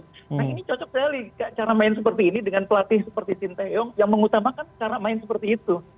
nah ini cocok sekali cara main seperti ini dengan pelatih seperti sinteyong yang mengutamakan cara main seperti itu